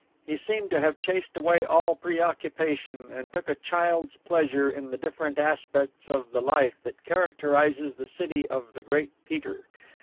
He seemed to have chased away all preoccupation, and took a child's pleasure in the different aspects of the life that characterizes the city of the Great Peter.